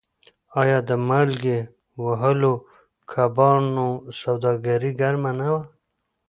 آیا د مالګې وهلو کبانو سوداګري ګرمه نه وه؟